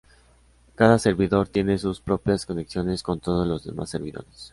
Cada servidor tiene sus propias conexiones con todos los demás servidores.